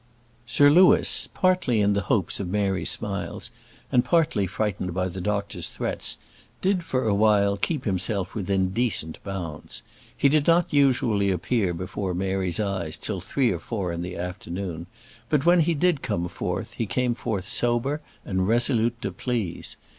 Sir Louis partly in the hopes of Mary's smiles, and partly frightened by the doctor's threats did, for a while, keep himself within decent bounds. He did not usually appear before Mary's eyes till three or four in the afternoon; but when he did come forth, he came forth sober and resolute to please.